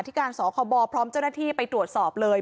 ที่การสคบพร้อมเจ้าหน้าที่ไปตรวจสอบเลย